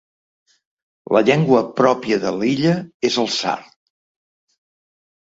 La llengua pròpia de l’illa és el sard.